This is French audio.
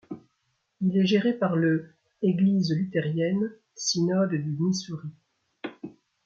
Il est géré par le Église luthérienne - Synode du Missouri.